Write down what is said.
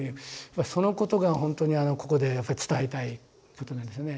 そのことがほんとにここでやっぱ伝えたいことなんですよね。